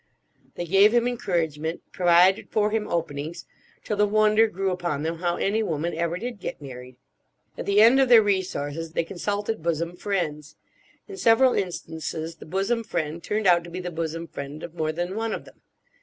They gave him encouragement, provided for him "openings," till the wonder grew upon them how any woman ever did get married. At the end of their resources, they consulted bosom friends. In several instances the bosom friend turned out to be the bosom friend of more than one of them.